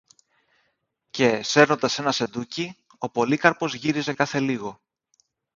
Και, σέρνοντας ένα σεντούκι, ο Πολύκαρπος γύριζε κάθε λίγο